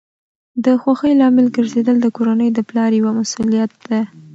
د خوښۍ لامل ګرځیدل د کورنۍ د پلار یوه مسؤلیت ده.